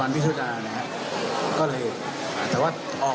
เอ่อพูดกับ